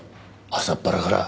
朝っぱらから。